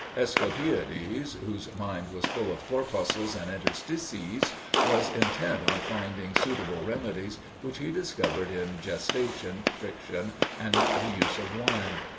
Asclepiades, whose mind was full of corpuscles and interstices, was intent on finding suitable remedies, which he discovered in gestation, friction, and the use of wine.